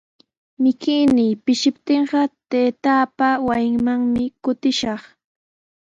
Mikuynii pishiptinqa taytaapa wasinmanmi kutishaq.